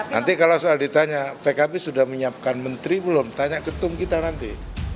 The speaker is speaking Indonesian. nanti kalau soal ditanya pkb sudah menyiapkan menteri belum tanya ketum kita nanti